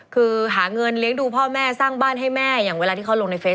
คือหาเงินเลี้ยงดูพ่อแม่สร้างบ้านให้แม่อย่างเวลาที่เขาลงในเฟซ